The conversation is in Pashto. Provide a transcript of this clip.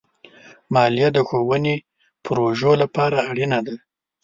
مالیه د ښوونې پروژو لپاره اړینه ده.